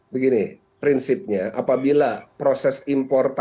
begini prinsipnya apabila proses imporannya